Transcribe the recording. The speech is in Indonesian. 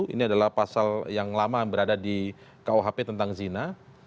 ini adalah pasal yang lama berada di kuhp tentang zina